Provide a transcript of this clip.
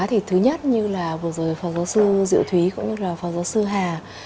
thì thứ nhất như là vừa rồi phó giáo sư diệu thúy cũng như là phó giáo sư hà